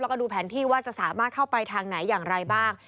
แล้วก็ดูแผนที่ว่าจะสามารถเข้าไปทางไหนอย่างไรบ้าง